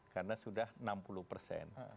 karena sudah enam puluh persen